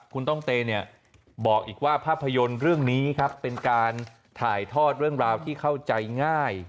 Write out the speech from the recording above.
คุณต้องเตเนี่ยบอกอีกว่าภาพยนตร์เรื่องนี้ครับเป็นการถ่ายทอดเรื่องราวที่เข้าใจง่าย